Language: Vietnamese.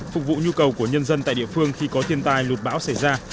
phục vụ nhu cầu của nhân dân tại địa phương khi có thiên tai lụt bão xảy ra